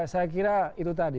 saya kira itu tadi